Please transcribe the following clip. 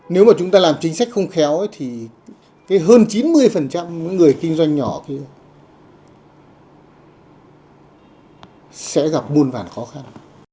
nếu mà chúng ta làm chính sách không khéo thì cái hơn chín mươi người kinh doanh nhỏ kia sẽ gặp buồn vàn khó khăn